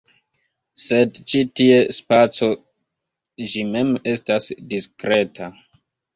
Sed ĉi tie, spaco ĝi mem estas diskreta.